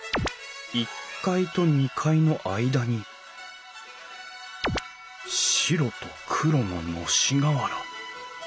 １階と２階の間に白と黒ののし瓦。